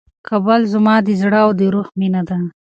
کابل زما د زړه او د روح مېنه ده.